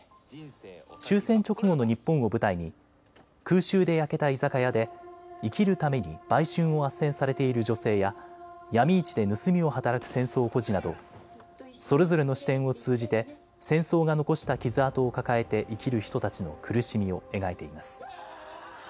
終戦直後の日本を舞台に空襲で焼けた居酒屋で生きるために売春をあっせんされている女性や闇市で盗みを働く戦争孤児などそれぞれの視点を通じて戦争が残した傷痕を抱えて生きる人たちの苦しみを描いています。